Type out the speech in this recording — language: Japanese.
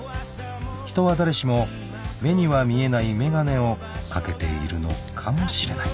人は誰しも目には見えない眼鏡を掛けているのかもしれない］